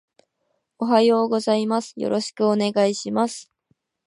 おはようございます。よろしくお願いします